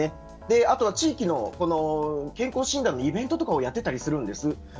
あとは地域の健康診断とかイベントとかをやっていたりします。